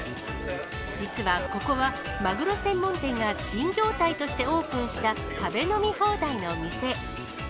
実はここは、マグロ専門店が新業態としてオープンした、食べ飲み放題の店。